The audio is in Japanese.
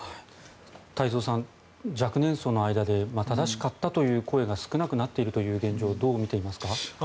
太蔵さん若年層の間で正しかったという声が少なくなっているという現状をどう見ていますか。